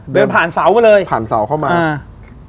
เดินผ่านเสามาเลย